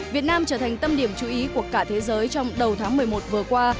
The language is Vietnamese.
việt nam trở thành tâm điểm chú ý của cả thế giới trong đầu tháng một mươi một vừa qua